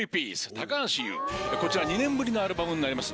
こちら２年ぶりのアルバムになります。